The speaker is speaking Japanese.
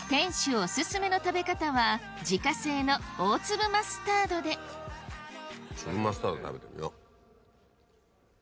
お薦めの食べ方は自家製の大粒マスタードで粒マスタードで食べてみよう。